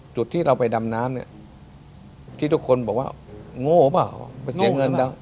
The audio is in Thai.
จุดที่เราไปดำน้ำเนี่ยที่ทุกคนบอกว่าโง่เปล่าไปเสียเงินแล้ว